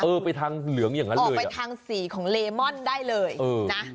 ไปทางเหลืองอย่างนั้นออกไปทางสีของเลมอนได้เลยนะ